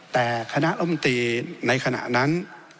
แต่คณะร่มตีในขณะนั้น